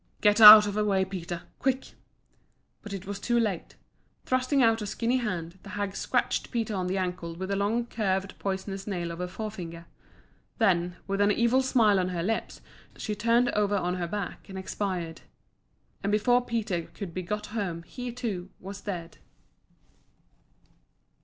"Get out of her way, Peter, quick!" But it was too late. Thrusting out a skinny hand, the hag scratched Peter on the ankle with the long curved, poisonous nail of her forefinger. Then, with an evil smile on her lips, she turned over on her back, and expired. And before Peter could be got home he, too, was dead.